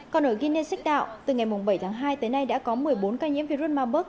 còn ở guinness x ray từ ngày bảy tháng hai tới nay đã có một mươi bốn ca nhiễm virus marburg